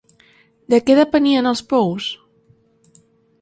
De què depenien els pous?